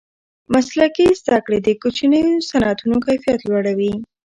مسلکي زده کړې د کوچنیو صنعتونو کیفیت لوړوي.